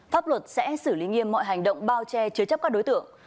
pháp luật sẽ xử lý nghiêm mọi hành động bao che chứa chấp các đối tượng